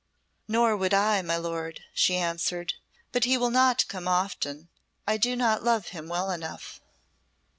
"Nor would I, my lord," she answered. "But he will not come often; I do not love him well enough."